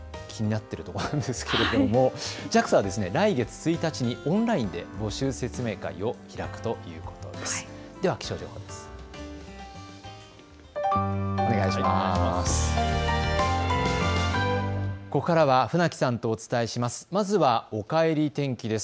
私もちょっと気なってるところなんですがＪＡＸＡは来月１日にオンラインで募集説明会を開くということです。